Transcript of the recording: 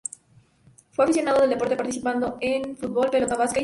Fue aficionado al deporte, participando en fútbol, pelota vasca y ciclismo.